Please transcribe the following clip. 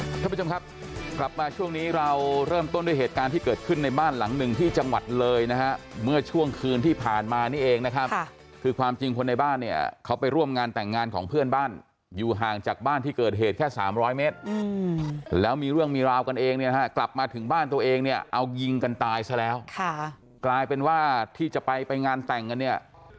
ท่านผู้ชมครับกลับมาช่วงนี้เราเริ่มต้นด้วยเหตุการณ์ที่เกิดขึ้นในบ้านหลังหนึ่งที่จังหวัดเลยนะฮะเมื่อช่วงคืนที่ผ่านมานี่เองนะครับคือความจริงคนในบ้านเนี่ยเขาไปร่วมงานแต่งงานของเพื่อนบ้านอยู่ห่างจากบ้านที่เกิดเหตุแค่สามร้อยเมตรแล้วมีเรื่องมีราวกันเองเนี่ยนะฮะกลับมาถึงบ้านตัวเองเนี่ยเอายิงกันตายซะแล้วค่ะกลายเป็นว่าที่จะไปไปงานแต่งกันเนี่ย